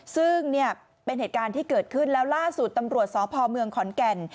ซึ่งเนี่ยเป็นเหตุการณ์ที่เกิดขึ้นแล้วล่าสุดตำรวจสพเมืองขอนแก่น